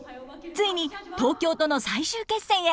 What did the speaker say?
ついに東京との最終決戦へ。